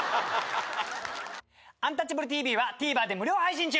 「アンタッチャブるＴＶ」はＴＶｅｒで無料配信中！